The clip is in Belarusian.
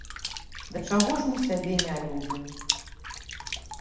Да чаго ж мы сябе не любім!